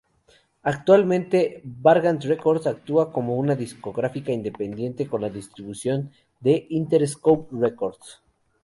Actualmente, Vagrant Records actúa como una discográfica independiente, con la distribución de Interscope Records.